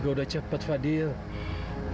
karena kamu tangguh fabulous